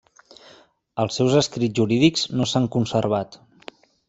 Els seus escrits jurídics no s'han conservat.